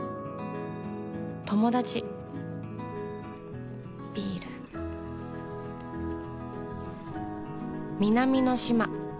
友達ビール南の島